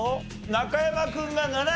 中山君が７２。